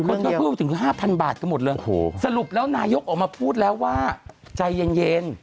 คนก็พูดถึง๕๐๐๐บาทกันหมดเลยสรุปนายกออกมาพูดแล้วว่าใจเย็น